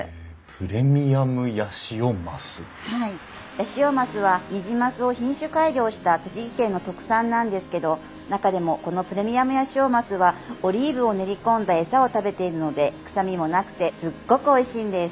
ヤシオマスはニジマスを品種改良した栃木県の特産なんですけど中でもこのプレミアムヤシオマスはオリーブを練り込んだエサを食べているので臭みもなくてすっごくおいしいんです。